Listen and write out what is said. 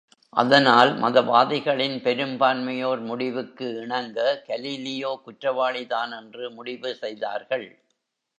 அதனால், மதவாதிகளின் பெரும் பான்மையோர் முடிவுக்கு இணங்க, கலீலியோ குற்றவாளிதான் என்று முடிவு செய்தார்கள்.